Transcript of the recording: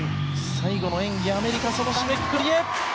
最後の演技、アメリカその締めくくりへ！